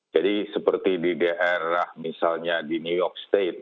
jadi seperti di daerah misalnya di new york state